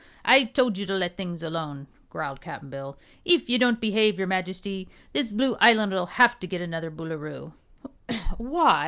"I told you to let things alone," growled Cap'n Bill. "If you don't behave, your Majesty, this Blue Island'll have to get another Boolooroo." "Why?"